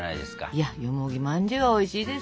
いやよもぎまんじゅうはおいしいですよ。